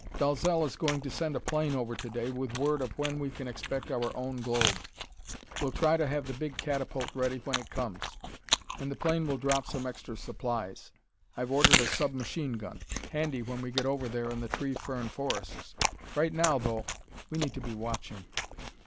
Dalzell is going to send a plane over today, with word of when we can expect our own globe. We'll try to have the big catapult ready when it comes. And the plane will drop some extra supplies. I've ordered a sub machine gun. Handy when we get over there in the tree fern forests. Right now, though, we need to be watching...."